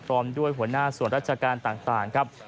พร้อมด้วยหัวหน้าส่วนราชการต่างครับ